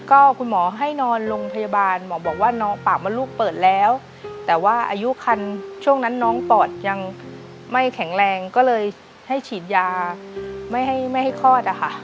ก็คุณหมอให้นอนโรงพยาบาลหมอบอกว่าน้องปากมดลูกเปิดแล้วแต่ว่าอายุคันช่วงนั้นน้องปอดยังไม่แข็งแรงก็เลยให้ฉีดยาไม่ให้ไม่ให้คลอดอะค่ะ